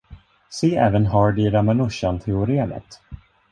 Se även Hardy-Ramanujan-teoremet.